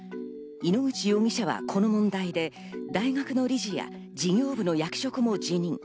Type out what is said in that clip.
井ノ口容疑者はこの問題で大学の理事や事業部の役職も辞任。